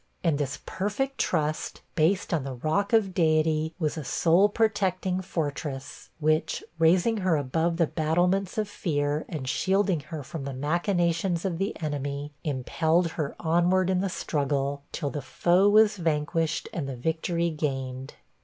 And this perfect trust, based on the rock of Deity, was a soul protecting fortress, which, raising her above the battlements of fear, and shielding her from the machinations of the enemy, impelled her onward in the struggle, till the foe was vanquished, and the victory gained.